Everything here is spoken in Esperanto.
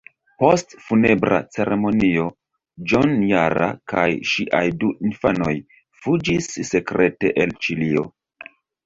Post funebra ceremonio Joan Jara kaj ŝiaj du infanoj fuĝis sekrete el Ĉilio.